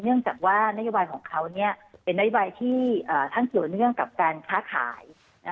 เนื่องจากว่านโยบายของเขาเป็นนโยบายที่ท่านเกี่ยวเนื่องกับการค้าขาย